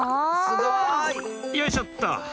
すごい！よいしょっと！